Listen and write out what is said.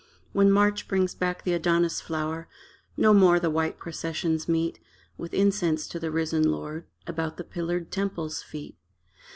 When March brings back the Adonis flower No more the white processions meet, With incense to the risen lord, About the pillared temple's feet.